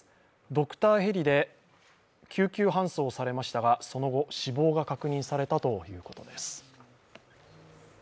ドクターヘリで救急搬送されましたがその後、死亡が確認されたということです。